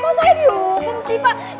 oh saya dihukum sih pak